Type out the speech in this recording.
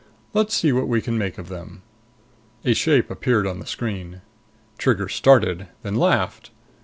Let's see what we can make of them." A shape appeared on the screen. Trigger started, then laughed.